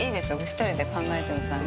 １人で考えてください。